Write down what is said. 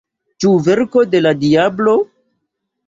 Ĉu verko de la diablo?